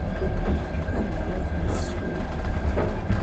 Anda ay ten-tessekwem?